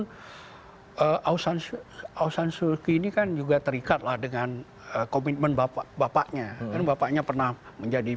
asean asean suluki ini kan juga terikatlah dengan komitmen bapak bapaknya bapaknya pernah menjadi